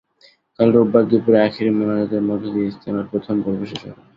কাল রোববার দুপুরে আখেরি মোনাজাতের মধ্য দিয়ে ইজতেমার প্রথম পর্ব শেষ হবে।